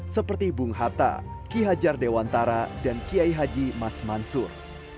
seperti bung hatta ki hajar dewantara dan kiai haji mas mansur